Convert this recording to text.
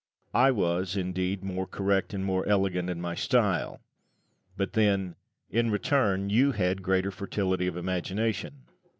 I was, indeed, more correct and more elegant in my style; but then, in return, you had a greater fertility of imagination.